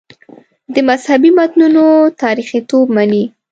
د مذهبي متنونو تاریخیتوب مني.